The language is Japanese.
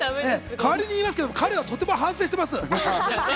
代わりにいますけど、彼はとても反省しています。